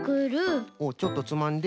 おっちょっとつまんで。